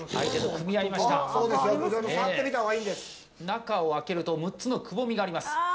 中を開けると６つのくぼみがあります。